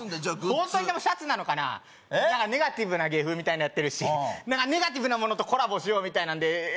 ホントにでもシャツなのかなネガティブな芸風みたいなやってるしネガティブなものとコラボしようみたいなんで